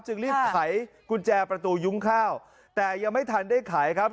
รีบไขกุญแจประตูยุ้งข้าวแต่ยังไม่ทันได้ขายครับ